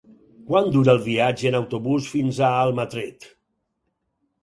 Quant dura el viatge en autobús fins a Almatret?